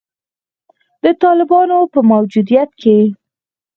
د طالبانو په موجودیت کې